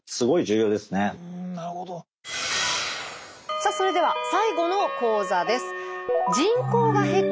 さあそれでは最後の講座です。